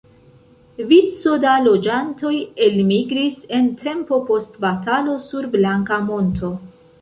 Vico da loĝantoj elmigris en tempo post batalo sur Blanka monto.